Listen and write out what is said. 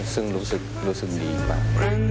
ซึ่งรู้สึกดีมาก